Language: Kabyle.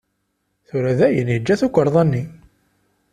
Tura dayen yeǧǧa tukerḍa-nni.